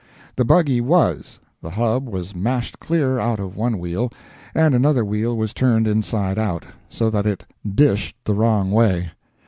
The buggy was; the hub was mashed clear out of one wheel, and another wheel was turned inside out—so that it "dished" the wrong way.